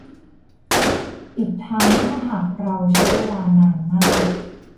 อีกทั้งถ้าหากเราใช้เวลานานมาก